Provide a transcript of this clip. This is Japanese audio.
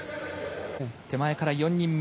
手前から４人目。